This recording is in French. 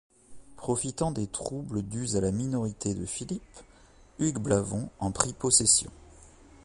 Profitant des troubles dus à la minorité de Philippe, Hugues Blavons en prit possession.